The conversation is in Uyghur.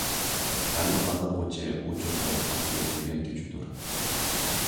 غەلىبە قازانغۇچى ئۇ چوقۇم ئاكتىپ ئۆگەنگۈچىدۇر.